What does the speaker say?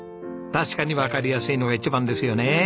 確かにわかりやすいのが一番ですよね。